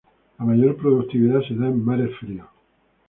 La mayor productividad se da en mares fríos.